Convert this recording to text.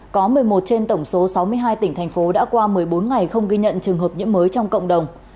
có một mươi một trên tổng số sáu mươi hai tỉnh thành phố đã qua một mươi bốn ngày không ghi nhận trường hợp nhiễm mới trong cộng đồng